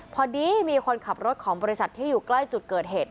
พอดีมีคนขับรถของบริษัทที่อยู่ใกล้จุดเกิดเหตุ